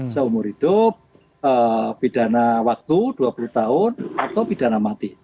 seumur hidup pidana waktu dua puluh tahun atau pidana mati